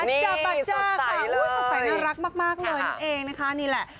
จับปัจจ้าค่ะสดใสน่ารักมากเลยนี่แหละ